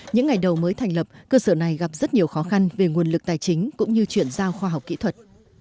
những ngày đầu mới thành lập cơ sở này gặp rất nhiều khó khăn về nguồn lực tài chính cũng như chuyển giao khoa học kỹ thuật